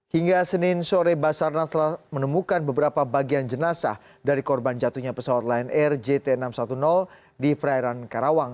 hingga senin sore basarnas telah menemukan beberapa bagian jenazah dari korban jatuhnya pesawat lion air jt enam ratus sepuluh di perairan karawang